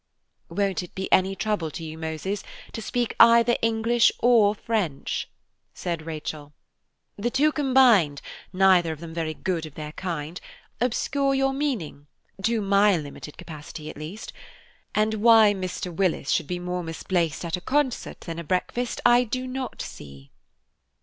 "Would it be any trouble to you, Moses, to speak either English or French?" said Rachel. "The two combined, neither of them very good of their kind, obscure your meaning–to my limited capacity, at least–and why Mr. Willis should be more misplaced at a concert than a breakfast, I do not see."